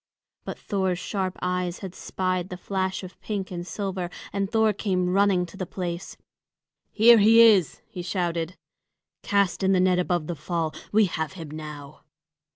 But Thor's sharp eyes had spied the flash of pink and silver, and Thor came running to the place. "He is here!" he shouted. "Cast in the net above the fall! We have him now!"